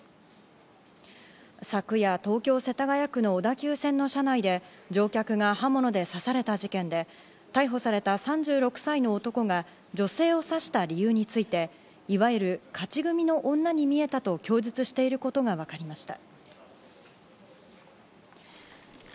昨夜、東京・世田谷区の小田急線の車内で乗客が刃物で刺された事件で、逮捕された３６歳の男が女性を刺した理由について、いわゆる勝ち組の女に見えたと供述していることが分かりました。